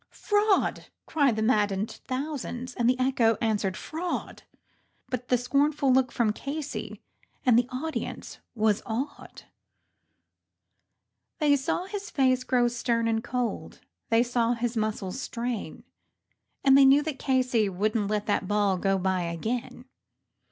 "Fraud!" yelled the maddened thousands, and the echo answered "Fraud," But one scornful look from Casey and the audience was awed; They saw his face grow stern and cold; they saw his muscles strain, And they knew that Casey would not let that ball go by again.